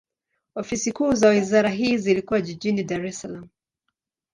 Ofisi kuu za wizara hii zilikuwa jijini Dar es Salaam.